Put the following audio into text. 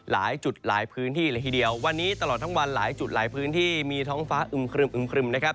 หลายจุดหลายพื้นที่เลยทีเดียววันนี้ตลอดทั้งวันหลายจุดหลายพื้นที่มีท้องฟ้าอึมครึมครึมนะครับ